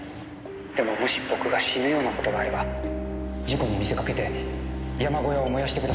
でももし僕が死ぬような事があれば事故に見せかけて山小屋を燃やしてください。